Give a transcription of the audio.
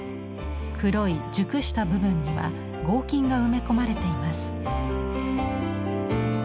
黒い熟した部分には合金が埋め込まれています。